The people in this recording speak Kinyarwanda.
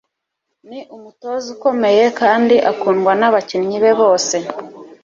Ni umutoza ukomeye kandi akundwa nabakinnyi be bose